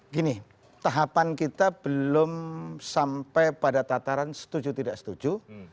gini tahapan kita belum sampai pada tataran setuju tidak setuju